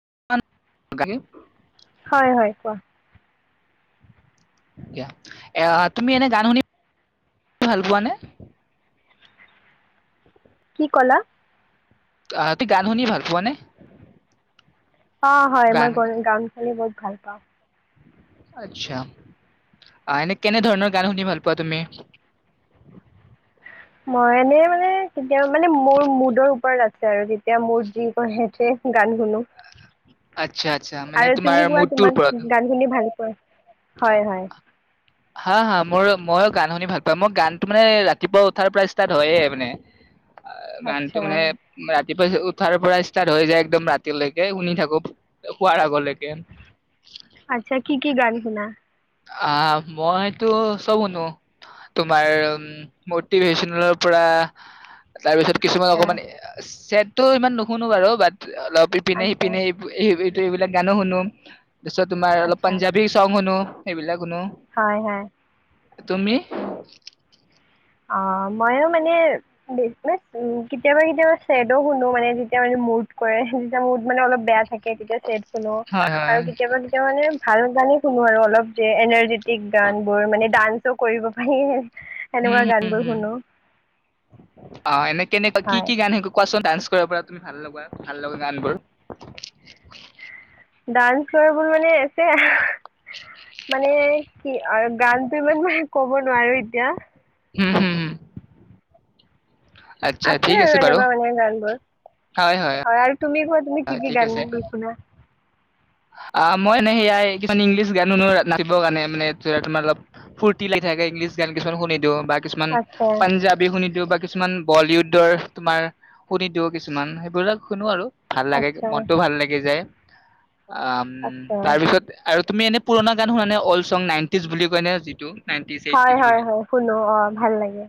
[unintelligible] হয় হয় কোৱা। দিয়া এ তুমি এনে গান শুনি ভাল পোৱা নে? কি ক'লা? অহ তোমি গান শুনি ভাল পোৱাানে? অ হয় আমাৰ গান শুনি বহুত ভাল পাওঁ। আচ্ছা আহ এনে কেনেধৰণৰ গান শুনি ভাল পোৱা তুমি? মই এনে মানে কেতিয়া মানে মোৰ মুডৰ ওপৰত আছে আৰু তেতিয়া মোৰ যি কছে গান শুনো। আচ্ছা আচ্ছা মানে আৰু তোমাৰ তুমি কোৱা মুডটোৰ ওপৰত। তোমাক গান শুনি ভাল হয়। হয় হা হা মোৰৃ ময়ো গান শুনি ভাল পাওঁ, মই গানতটো মানে ৰাতিপুৱা উঠাৰ পৰা ষ্টাৰ্ট হয়য়ে মানে। অ গানটো আচ্ছা মানে ৰাতি তাৰপাছত উঠাৰ পৰা ষ্টাৰ্ট হৈ যায় একদম ৰাতিলৈকে, শুনি থাকো শোৱাৰ আগলৈকে। আচ্ছা কি কি গান শুনা? অ মইতো চব শুনো তোমাৰ উ মটিভেশচনেলৰ পৰা তাৰপিছত কিছুমান আচ্ছা অকণমান চছেট তো ইমান নুশুনো বাৰু বাট অলপ ইপিনে আচ্ছা সিপিনে এইবিলাক গানো শুনো। তাৰ পিছত তোমাৰ আচ্ছা পঞ্জাবী সংগ শুনো। সেইবিলাক শুনো হয়। হয়। তুমি? আচ্ছা। অ ময়ো মানে মানে কেতিয়াবা কেতিয়াবা চেদ' শুনো মানে যেতিয়া মানে মত কৰে যেতি মত মানে অলপ বেয়া থাকে তেতিয়া চেদ শুনো হয় হয় আৰু কেতিয়াবা কেতিয়াা মানে ভাল জানে শুনো আৰু অলপ যে এনাৰ্জেটিক গান বোৰ মানে ডান্সো কৰিব পাৰি এনেকুৱা উম হম অ এনে কেনেকুৱা, কি হয় কি গান কোৱা ডান্স কৰাৰ পৰা তুমি ভাল লগা, ভাল লগা গান বোৰ ডান্স কৰাবোৰ মানে যে মানে কি? আৰু গানতো ইমান মানে ক'ব নোৱাৰো এতিয়া হম হুম হম। আচ্ছা আছে ঠিক আৰু বাৰু এনেকুৱা মানে গান বোৰ হয় আৰু তুমি কোৱা তুমি কি কি গান বুলি শুনা। অ মই মানে সেয়াই কিছুমান ইংলিছ গান শুনো নাচিবৰ কাৰণে মানে ধ তোমাৰ অলপ ফুৰ্তি লাগি থাকে ইংলিছ গান কিছুমান শুনি দিও বা কিছুমান আচ্ছা পাঞ্জাবী শুনি দিও ব কিছুমান বলিউডৰ তোমাৰ শুনি দিও কিছুমান সেইবিলাক শুনো আৰু ভাল লাগে আচ্ছা মনতটো ভাল লাগি যায়। উ আচ্ছা তাৰপিছত আৰু তুমি এনে পুৰা গান শুনা নে অল্ চং নাইনটিজ বুলি কয়নেে যিটো নাইনটিজ হয় এইটিজ হয় বুলি হয় শুনো অ ভাল লাগে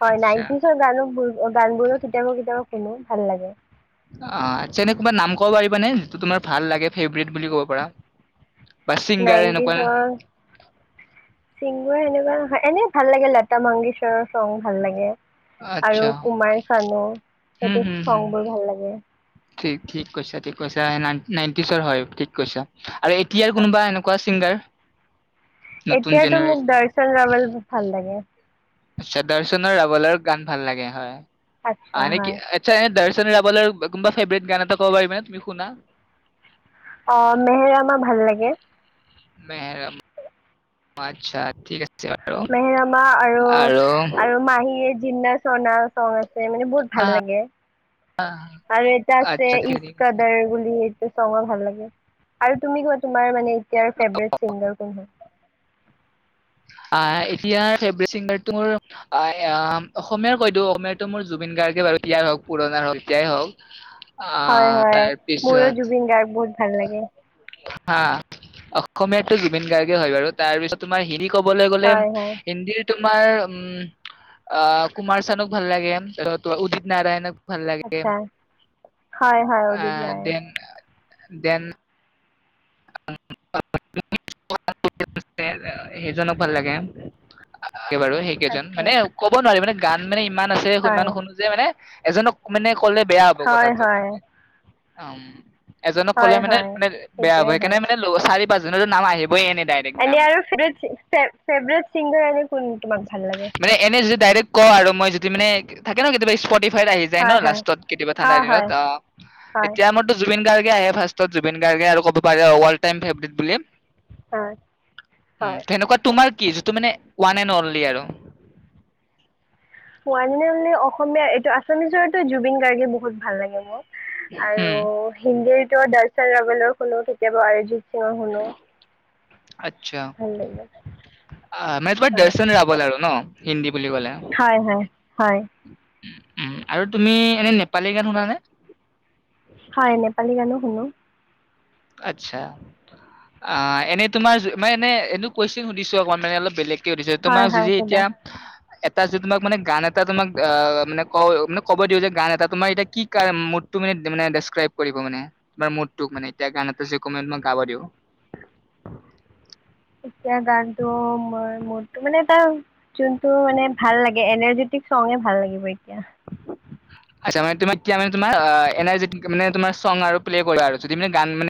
হয় আচ্ছা নটিজৰ গানো। অ গান বোৰো কেতিয়াবা কেতিয়াবা শুনো ভাল লাগে। অ আচ্ছা এনে কবা নাম কব পাৰিবা নে যিটো তোমাৰ ভাল লাগে। প্ৰিত বুলি ক'ব পাৰা বা ছিংগাৰ এনেকুৱা নাইনটিজৰ মই এনেকুৱা এনেই ভাল লাগে লতা মংগেশ্বৰৰ চং ভাল লাগে। আৰু আচ্ছা কুমাৰ চানো হম সেইটো হম হম চং বোৰ ভাল লাগে। ঠিক ঠিক কৈছা ঠিক কৈছা নাইনটি চৰ হয় ঠিক কৈছা। আৰু এতিয়াৰ কোনোবা আচ্ছা এনেকুৱা ছিংগাৰ নতুন এতিয়াতো মোক জেনেৰেচন দৰ্শন লবলৈ ভাল লাগে আচ্ছা দৰ্শনৰ ৰাৱলৰ গান ভাল লাগে হয়। আচ্ছা আৰে কি হয় আচ্ছা দশ। [unintelligible] ফেভৰেট গান এটা ক'ব পাৰিবি ন তুমি শুনা। অ মেহেৰামা ভাল লাগে। ম আচ্ছা ঠিক আছে। বাৰু মেহেৰামা আৰু আৰু মাহীয়ে জিনা সোনা চ আছে মানে বহুত ভাল লাগে আহ, আৰু এটা আছে আচ্ছা ঠিক ঠিক আছে ইচ্কাদাৰ বুলি সেই চঙৰ ভাল লাগে। আৰু তুমি কোৱা তোমাৰ মানে তেওঁৰ ফেভৰেট চিংগাৰ কোন হয়? আহ এতিয়া ফেভট চিংগাৰটো মোৰ অসমীয়াৰ কৈতো অসমীয়াটো মোৰ জুবিন গাৰ্গে বাৰুয়াই হওক পুৰণাৰ হওক এয়াই হওক হয় আহ হয় মোৰো তাৰপিছত জুবিন গাৰ্গ বহুত ভাল লাগে। হা অসমীয়াো জুবিন গাৰ্গে হয় বাৰু তাৰ পিছত তোমাৰ ক'বলৈ গ'লে হয় হয় ইণ্ডিয়াৰ তোমাৰ উম কুমাৰ চানক ভাল লাগে উদিত নাৰায়ণক ভাল লাগে আচ্ছা, হয় হয়। আহ দেন [unintelligible] দেন সেইজনক ভাল লাগে। একে বাৰু সেইকেইজন আচ্ছা মানে ক'ব নোৱাৰি। মানে, গান মানে, ইমান আছে, সিমান হয়। শুনো যে মানে। এজনক মানে, ক'লে বেয়া হ'ব হয় কথাটো। হয় অ'ম। এজনক হয় ক'লে মানে হয় মানে বেয়া হ'ব। সেইটোয়ে কেনে হয়। মানে ল চাৰিপ বা জুনে জুনে নাম আহিব এনে আৰু ছেবেৰেট ছি ফে ফেভৰেট ছিংগাৰ এনে কোন? তোমাক ভাল লাগে? মানে এনে যদি ডাইৰেক্ট কওঁ আৰু মই যদি মানে থাকে ন কেতিয়াবা স্পটি ফাইত আহি যায় হয় ন হয় লাষ্টত কেতিয়াবা ঠাণ্ডা হয় হয় দিনত অ, হয় এতিয়া আমাৰ ত জুবিন গাৰ্গ। কে আহে ফাৰ্ষ্টতত জুবিন গাৰ্গে আৰু কব পাৰে ৱাল্ড হয় হয়। তেনেকুৱা তোমাৰ কি ত মে ৱান নেন অনলি আৰু। পোৱী ম অসমীয়া এইটো আছামিছৰাটো জুবিন গাৰ্গে বহুত ভাল লাগে মোৰ উম আৰু হিন্দীৰ ত দাৰচাৰ লগলো শুনো কেতিয়াবা অৰ্জিত আচ্ছা ভাল লাগে মই তোবাৰ হয় দৰ্শন ৰাব লাৰো ন হিন্দী বুলি হয় হয় হয়। উ উ আৰু তুমি এনে নেপালী গান শুনানে? হয় নেপালী গানো শুনো। আচ্ছা আ এনে তোমাৰ জু মে এনে এদো কুৱেচন সুধিছো অকমান মানে অলপ বেলেগ কি সুধিছে হয় তোমাক হয় যদি শুনা এতিয়া এটা যে তোমাক মানে গান এটা তোমাক অ ম ক মানে ক'ব দিওঁ যে গান এটা তোমাৰ এতিয়া কি কাৰ মুডটো মানে মে ডেচক্ৰাইব কৰিব মানে তোমাৰ মুডোক মানে তে গান ত চ কমেণ্ট মই গাাব দিব এতিয়া গানটো মই মোডটো মানে এটা যোনটো মানে ভাল লাগে এনাৰ্জেটিক চঙে ভাল লাগিব এতিয়া আচ্ছা মানে তোমাৰ এতিয়া মানে তোমাৰ এনাৰজেটিক মানে তোমাৰ চং আৰু প্লে কৰা আৰু যদি গান মানে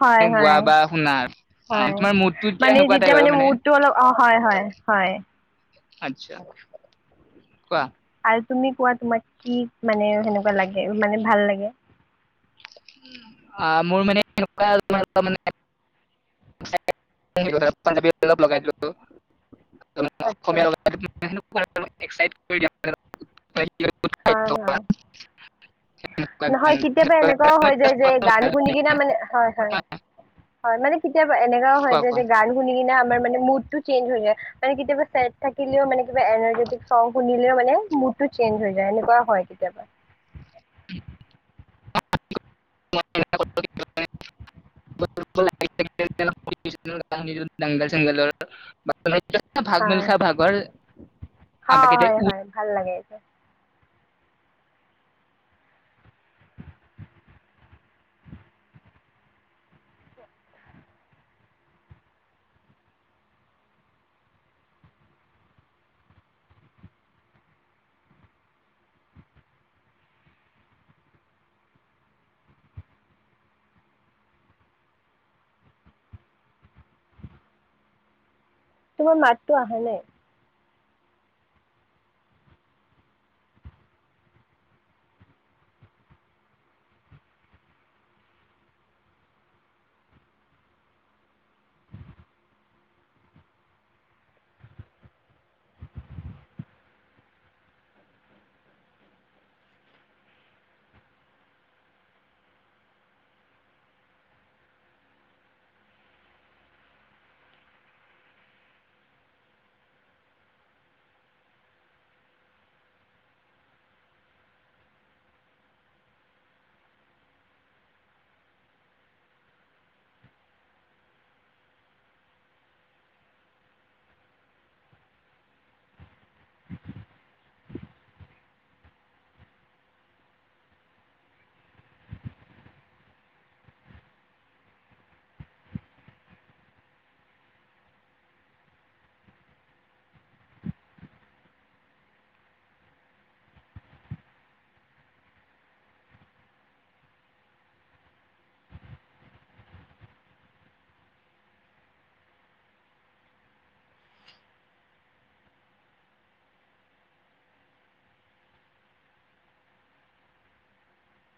হয় হয় গোৱা বা শুনা আৰু অ হয় তোমাৰ মুডটো এতিয়া মানে সেনেকুৱা টাইপ যেতিয়া আৰু মানে মুডটো অলপ অ হয় হয় হয়। আত্ছা কোৱা? আৰু তুমি কোৱা তোমাক কি? মানে হেনেকুৱা লাগে মানে ভাল লাগে।। এয়া আ মোৰ মানে এনেকুৱা তাৰ মানে।। পা লগাই [inaudible] [unintelligible] আচ্ছা। অলপ একচাইত কৰি দিয়া। হয় হয় নহয় কেতিয়াবা এনেকুৱাও হয় যায় যে গান শুনি দিয়া কিনে মানে হয় হয় হয় মানে।। কেতিয়াবা এনেকাও হয় কোৱা যে কোৱা যে গান শুনি কিনে।। আমাৰ মানে মুড টো চেঞ্জ হৈ যায়। মানে কেতিয়া চেড থাকিলেও মানে কিবা এনাৰ্জি টো চাউন্দ শুনিলেও মানে মুড টো চেঞ্জ হৈ যায়। এনেকুৱা হয় কেতিয়াবা। দল চল [inaudible] [unintelligible] ভাগ হয় মিলখা ভাগৰ।। অ আমাক হয় এতিয়া হয় ভাল লাগে। অ [inaudible] [inaudible] তোমাৰ মাতটো আহা নাই।